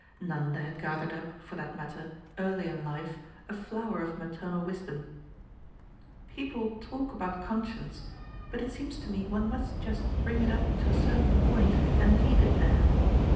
Nanda had gathered up, for that matter, early in life, a flower of maternal wisdom: "People talk about conscience, but it seems to me one must just bring it up to a certain point and leave it there.